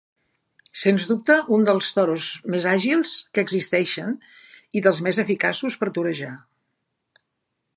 Sens dubte un dels toros més àgils que existeixen i dels més eficaços per torejar.